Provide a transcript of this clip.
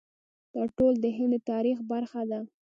دا ټول د هند د تاریخ برخه ده.